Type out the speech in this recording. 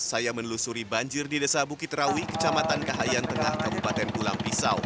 saya menelusuri banjir di desa bukit rawi kecamatan kahayan tengah kabupaten pulang pisau